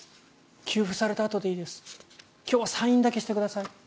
給付されたあとでいいです今日、サインだけしてください。